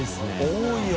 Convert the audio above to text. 多いよ。